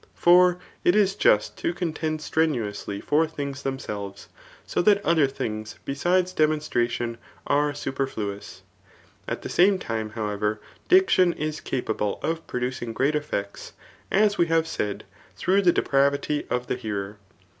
For it is just to contend strenuously for things themselves; so that othar things besides demon stration are superfluous. At the same time, however, diction is capable of producing great eflFects, as we have < said, through the depravity of the hearer.